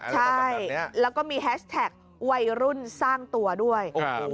ใช่แล้วก็มีแฮชแท็กวัยรุ่นสร้างตัวด้วย